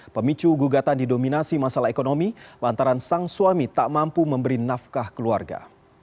pemicu gugatan didominasi masalah ekonomi lantaran sang suami tak mampu memberi nafkah keluarga